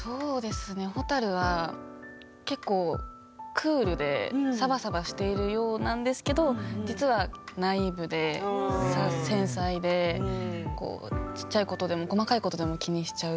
ほたるは結構クールでさばさばしているようなんですけど実はナイーブで繊細で小っちゃいことでも細かいことでも気にしちゃう。